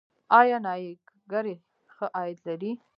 آیا نایي ګري ښه عاید لري؟